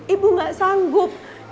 ibu gak sanggup